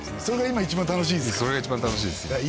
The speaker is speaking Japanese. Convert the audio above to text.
それが一番楽しいです